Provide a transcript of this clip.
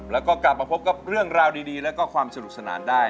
แล้วก็กลับมาพบกับเรื่องราวดีแล้วก็ความสนุกสนานได้